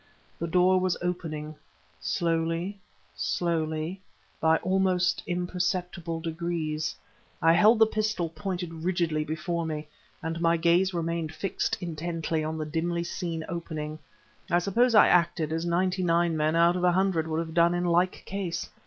The door was opening; slowly slowly by almost imperceptible degrees. I held the pistol pointed rigidly before me and my gaze remained fixed intently on the dimly seen opening. I suppose I acted as ninety nine men out of a hundred would have done in like case.